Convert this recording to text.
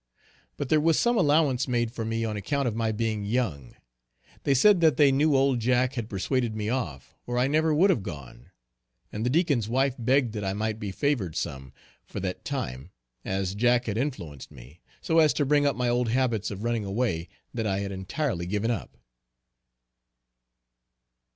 But there was some allowance made for me on account of my being young. They said that they knew old Jack had persuaded me off, or I never would have gone. And the Deacon's wife begged that I might be favored some, for that time, as Jack had influenced me, so as to bring up my old habits of running away that I had entirely given up.